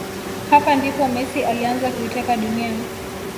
Hapa ndipo Messi alianza kuiteka dunia